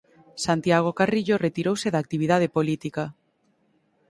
Santiago Carrillo retirouse da actividade política.